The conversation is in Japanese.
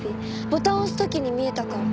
ボタンを押す時に見えたから。